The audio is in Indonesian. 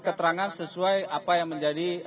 keterangan sesuai apa yang menjadi